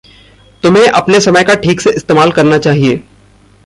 तुम्हे अपने समय का ठीक से इस्तेमाल करना चाहिए।